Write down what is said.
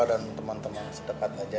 dan teman teman sedekat aja